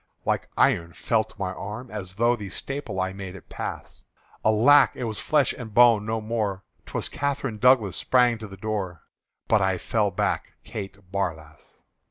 Like iron felt my arm, as through The staple I made it pass: Alack! it was flesh and bone no more! 'T was Catherine Douglas sprang to the door, But I fell back Kate Barlass.